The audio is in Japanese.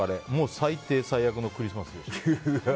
最低、最悪のクリスマスでした。